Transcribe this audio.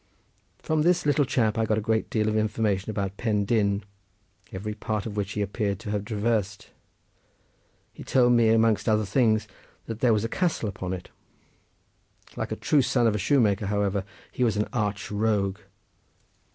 From this little chap I got a great deal of information about Pen Dyn, every part of which he appeared to have traversed. He told me, amongst other things, that there was a castle upon it. Like a true son of a shoemaker, however, he was an arch rogue.